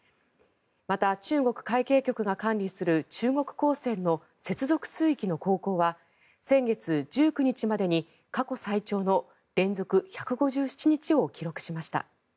また、中国海警局が管理する中国公船の接続水域の航行は先月１９日までに過去最長の連続１５７日を記録しました。